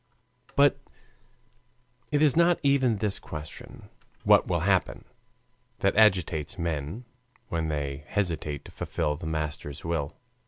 But it is not even this question "What will happen?" that agitates men when they hesitate to fulfill the Master's will.